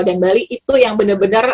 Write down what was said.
dan bali itu yang benar benar